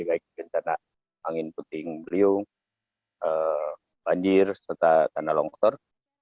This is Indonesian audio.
baik bencana angin puting beliung banjir serta tanah longsor